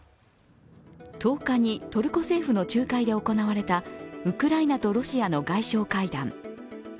１０日にトルコ政府の仲介で行われたウクライナとロシアの外相会談。